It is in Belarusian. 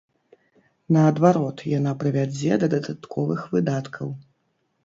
Наадварот, яна прывядзе да дадатковых выдаткаў.